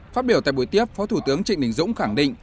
phát biểu tại buổi tiếp phó thủ tướng trịnh đình dũng khẳng định